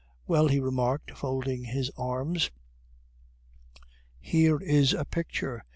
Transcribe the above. "Well," he remarked, folding his arms, "here is a picture!